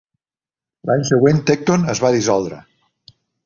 L'any següent Tecton es va dissoldre.